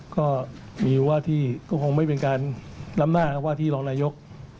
ก็มีว่าที่ก็คงไม่เป็นการล้ำหน้าว่าที่รองนายก